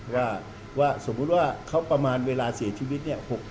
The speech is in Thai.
ว่าสมมุติว่าเขาประมาณเวลาเสียชีวิตเนี่ย